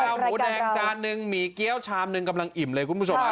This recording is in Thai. หมูแดงจานนึงหมี่เกี้ยวชามหนึ่งกำลังอิ่มเลยคุณผู้ชม